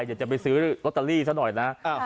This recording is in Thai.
เดี๋ยวจะไปซื้อลอตเตอรี่ซักหน่อยนะ